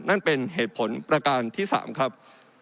นั่นเป็นเหตุผลประการที่๓ครับ